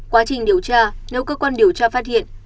quá trình điều tra nếu cơ quan điều tra phát hiện